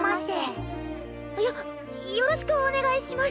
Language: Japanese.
よろしくお願いします。